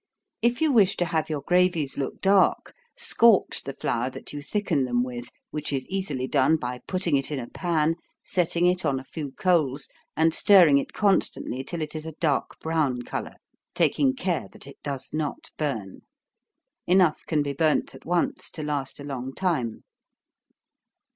If you wish to have your gravies look dark, scorch the flour that you thicken them with, which is easily done by putting it in a pan, setting it on a few coals, and stirring it constantly till it is a dark brown color, taking care that it does not burn. Enough can be burnt at once to last a long time.